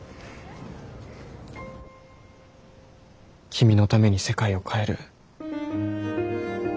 君のために世界を変える。